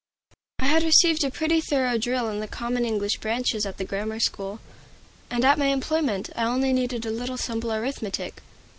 I had received a pretty thorough drill in the common English branches at the grammar school, and at my employment I only needed a little simple arithmetic.